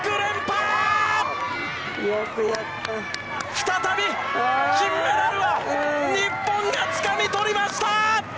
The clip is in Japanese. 再び金メダルは日本がつかみとりました！